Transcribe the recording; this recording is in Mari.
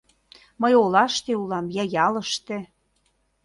Мый олаште улам я ялыште